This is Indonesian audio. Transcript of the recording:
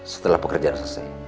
setelah pekerjaan selesai